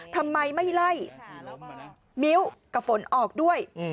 ทำไมไม่ไล่มิ้วกับฝนออกด้วย